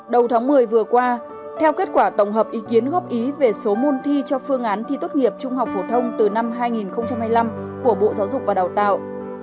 đầu tháng một mươi vừa qua theo kết quả tổng hợp ý kiến góp ý về số môn thi cho phương án thi tốt nghiệp trung học phổ thông từ năm hai nghìn hai mươi năm của bộ giáo dục và đào tạo